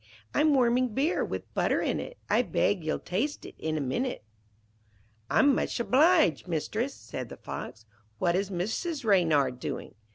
I'm warming beer, with butter in it; I beg ye'll taste it in a minute.' 'I'm much obliged, Mistress,' said the Fox. 'What is Mrs. Reynard doing?'